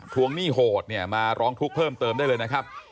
วงหนี้โหดเนี่ยมาร้องทุกข์เพิ่มเติมได้เลยนะครับ